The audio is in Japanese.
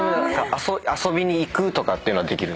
遊びに行くとかってのはできる？